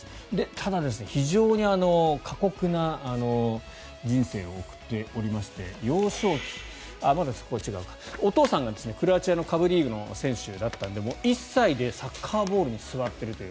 ただ、非常に過酷な人生を送っておりまして幼少期、お父さんがクロアチアの下部リーグの選手だったので１歳でサッカーボールに座っているという。